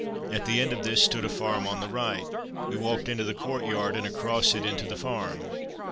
At the end of this stood a farm on the right. We walked into the courtyard and across it into the farm.